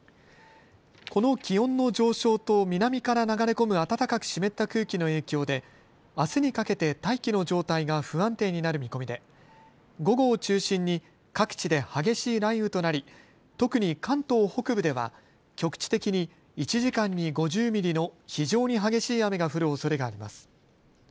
この気温の上昇と南から流れ込む暖かく湿った空気の影響であすにかけて大気の状態が不安定になる見込みで午後を中心に各地で激しい雷雨となり特に関東北部では局地的に１時間に５０ミリの非常に激しい雨が降るおそれがあります。